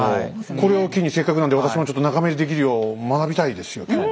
これを機にせっかくなんで私もちょっと仲間入りできるよう学びたいですよ今日は。